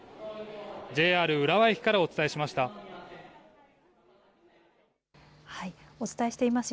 ＪＲ浦和駅からお伝えしました。